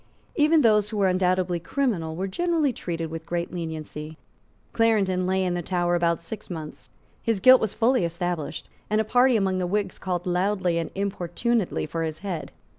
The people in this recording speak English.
Even those who were undoubtedly criminal were generally treated with great lenity. Clarendon lay in the Tower about six months. His guilt was fully established; and a party among the Whigs called loudly and importunately for his head.